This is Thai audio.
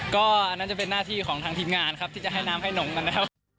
ก็อันนั้นจะเป็นหน้าที่ของทางทีมงานครับที่จะให้น้ำให้หนมกันแล้ว